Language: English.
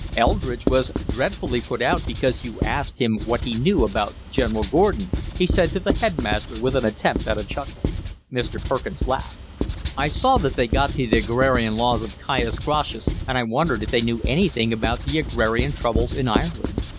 "Eldridge was dreadfully put out because you asked him what he knew about General Gordon," he said to the headmaster, with an attempt at a chuckle. Mr. Perkins laughed. "I saw they'd got to the agrarian laws of Caius Gracchus, and I wondered if they knew anything about the agrarian troubles in Ireland.